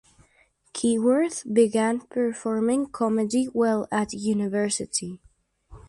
Keyworth began performing comedy while at university.